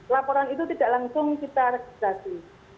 laporan itu tidak langsung kita registrasi